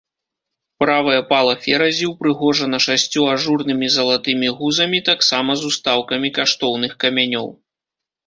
Правая пала феразі ўпрыгожана шасцю ажурнымі залатымі гузамі таксама з устаўкамі каштоўных камянёў.